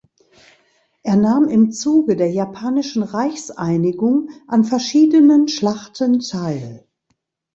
Er nahm im Zuge der japanischen Reichseinigung an verschiedenen Schlachten teil.